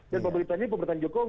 dan pemerintah ini pemerintahan jokowi